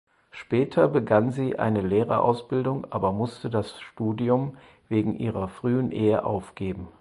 Später begann sie eine Lehrerausbildung aber musste das Studium wegen ihrer frühen Ehe aufgeben.